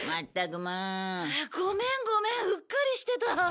ごめんごめんうっかりしてた。